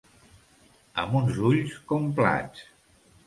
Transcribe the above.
Amb uns ulls com plats.